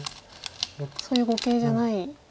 そういう碁形じゃないんですね。